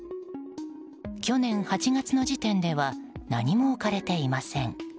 去年８月の時点では何も置かれていません。